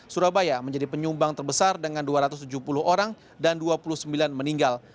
surabaya menjadi penyumbang terbesar dengan dua ratus tujuh puluh orang dan dua puluh sembilan meninggal